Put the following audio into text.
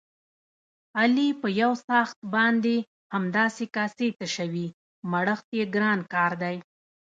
علي په یوڅآښت باندې همداسې کاسې تشوي، مړښت یې ګران کار دی.